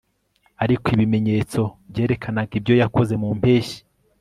Ariko ibimenyetso byerekanaga ibyo yakoze mu mpeshyi